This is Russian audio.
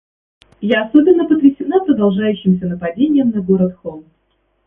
Я особенно потрясена продолжающимся нападением на город Хомс.